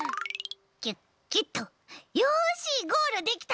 キュッキュッとよしゴールできた！